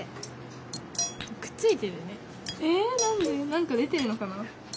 なんか出てるのかな？